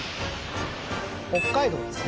北海道ですね